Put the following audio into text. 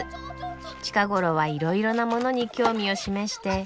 近頃はいろいろなものに興味を示して。